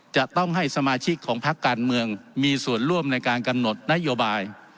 จะต้องให้สมาชิกของพักการเมืองมีส่วนร่วมในการกำหนดนโยบาย